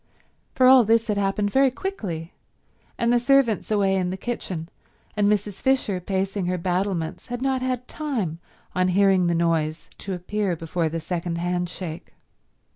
For all this had happened very quickly, and the servants away in the kitchen, and Mrs. Fisher pacing her battlements, had not had time on hearing the noise to appear before the second handshake.